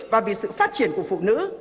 và về sự phát triển của phụ nữ